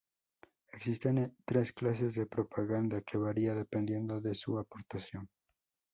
Existen tres clases de propaganda que varía dependiendo de su aportación.